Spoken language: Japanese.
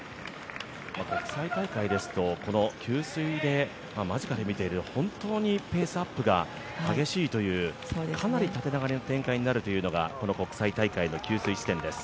国際大会ですと給水で、間近で見ていると本当にペースアップが激しいというかなり縦長の展開になるというのが、この国際大会の給水地点です。